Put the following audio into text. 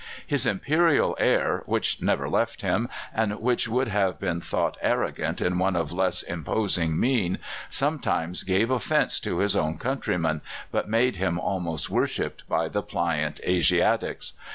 His imperial air, which never left him, and which would have been thought arrogant in one of less imposing mien, sometimes gave offence to his own countrymen, but made him almost worshipped by the pliant Asiatics.